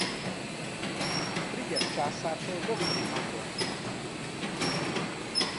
Frigyes császártól doktori rangot nyert.